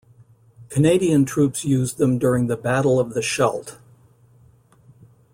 Canadian troops used them during the Battle of the Scheldt.